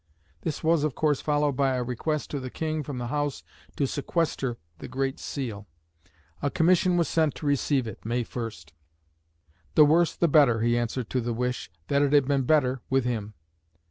This was, of course, followed by a request to the King from the House to "sequester" the Great Seal. A commission was sent to receive it (May 1). "The worse, the better," he answered to the wish, "that it had been better with him."